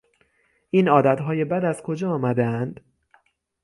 این عادتهای بد از کجا آمدهاند؟